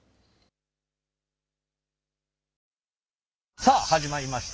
さあ始まりました